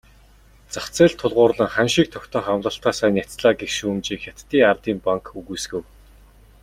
Зах зээлд тулгуурлан ханшийг тогтоох амлалтаасаа няцлаа гэх шүүмжийг Хятадын ардын банк үгүйсгэв.